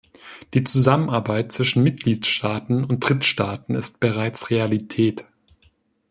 Die Zusammenarbeit zwischen Mitgliedstaaten und Drittstaaten ist bereits Realität.